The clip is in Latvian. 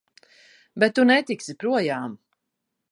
Bet tu netiksi projām!